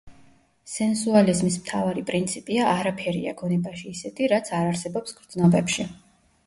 სენსუალიზმის მთავარი პრინციპია: „არაფერია გონებაში ისეთი, რაც არ არსებობს გრძნობებში“.